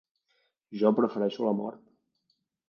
Jo prefereixo la mort.